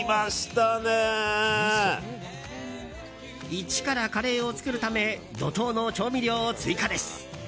一からカレーを作るため怒涛の調味料追加です。